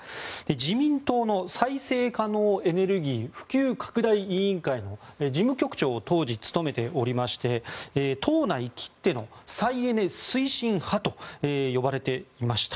自民党の再生可能エネルギー普及拡大委員会の事務局長を当時務めておりまして党内きっての再エネ推進派と呼ばれていました。